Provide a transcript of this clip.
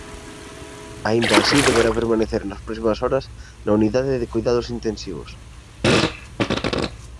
Aínda así deberá permanecer nas próximas horas na Unidade de Coidados Intensivos.